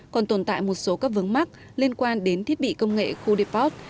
còn tồn tại một số các vướng mắc liên quan đến thiết bị công nghệ khu deport